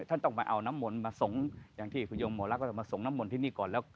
ท่านต้องมาเอาน้ำมนต์มาส่งอย่างที่คุณยงหมอลักษ์มาส่งน้ำมนต์ที่นี่ก่อนแล้ว